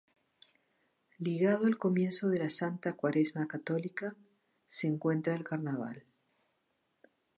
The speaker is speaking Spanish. Ligado al comienzo de la Santa Cuaresma católica, se encuentra el Carnaval.